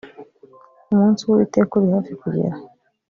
umunsi w ‘uwiteka uri hafi kugera.